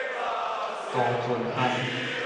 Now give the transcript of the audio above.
渡船巷